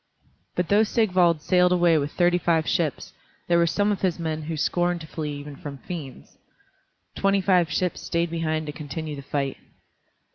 But though Sigvald sailed away with thirty five ships, there were some of his men who scorned to flee even from fiends. Twenty five ships stayed behind to continue the fight.